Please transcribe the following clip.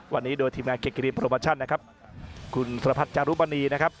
วันนี้โดยทีมงานเกกิรีโปรโมชั่นนะครับคุณธรพัฒนจารุมณีนะครับ